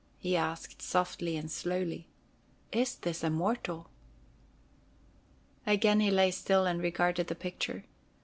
he said softly and slowly. "Is this a mortal?" Again he lay still and regarded the picture.